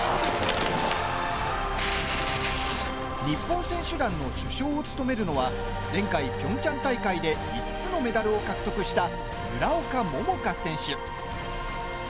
日本選手団の主将を務めるのは前回ピョンチャン大会で５つのメダルを獲得した村岡桃佳選手。